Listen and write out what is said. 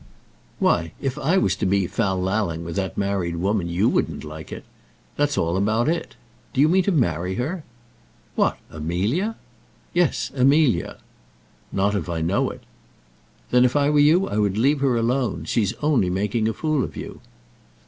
"Why, if I was to be fal lalling with that married woman, you wouldn't like it. That's all about it. Do you mean to marry her?" "What! Amelia?" "Yes; Amelia." "Not if I know it." "Then if I were you I would leave her alone. She's only making a fool of you."